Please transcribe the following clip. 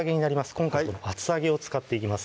今回厚揚げを使っていきます